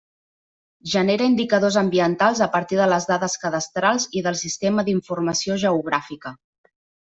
Genera indicadors ambientals a partir de les dades cadastrals i del sistema d'informació geogràfica.